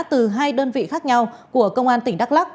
từ hai đơn vị khác nhau của công an tỉnh đắk lắc